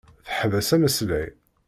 Teḥbes ameslay.